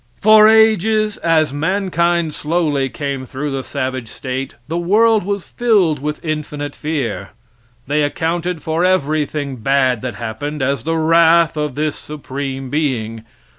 For ages, as mankind slowly came through the savage state, the world was filled with infinite fear. They accounted for everything bad that happened as the wrath of this supreme being.